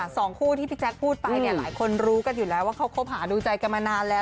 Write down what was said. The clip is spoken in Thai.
สองคู่ที่พี่แจ๊คพูดไปเนี่ยหลายคนรู้กันอยู่แล้วว่าเขาคบหาดูใจกันมานานแล้ว